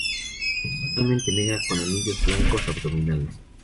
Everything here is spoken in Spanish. Es totalmente negra con anillos blancos abdominales.